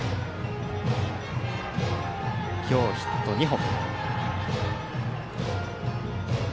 今日ヒット２本。